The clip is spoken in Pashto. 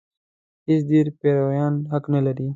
د هېڅ دین پیروان حق نه لري.